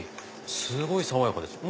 すごい爽やかですよ